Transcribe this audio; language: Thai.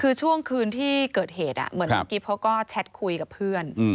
คือช่วงคืนที่เกิดเหตุเหมือนน้องกิ๊บเขาก็แชทคุยกับเพื่อน